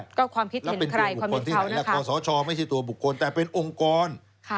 ก็ความผิดแล้วเป็นตัวบุคคลที่ไหนและคอสชไม่ใช่ตัวบุคคลแต่เป็นองค์กร